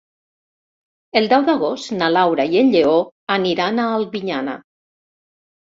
El deu d'agost na Laura i en Lleó aniran a Albinyana.